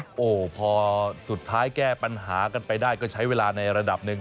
โอ้โหพอสุดท้ายแก้ปัญหากันไปได้ก็ใช้เวลาในระดับหนึ่ง